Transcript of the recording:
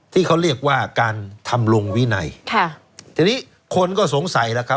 ที่เขาเรียกว่าการทำลงวินัยค่ะทีนี้คนก็สงสัยแล้วครับ